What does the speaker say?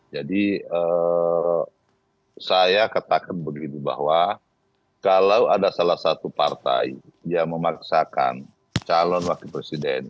jadi saya katakan begini bahwa kalau ada salah satu partai yang memaksakan calon wakil presiden